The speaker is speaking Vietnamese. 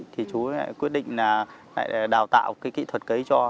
thì chú quyết định là lại đào tạo cái kỹ thuật cấy cho